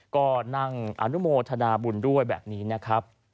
ก็นั่งอนุโมทนาบุญด้วยแบบนี้นะครับ